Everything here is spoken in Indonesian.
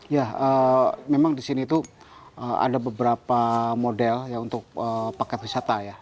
ya memang di sini tuh ada beberapa model ya untuk kreatif